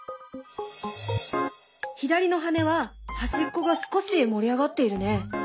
左の羽は端っこが少し盛り上がっているね。